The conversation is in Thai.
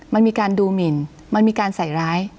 มันมีการดูหมินมันมีการใส่ร้าย